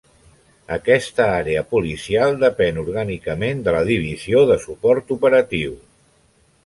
Aquesta àrea policial depèn orgànicament de la Divisió de Suport Operatiu.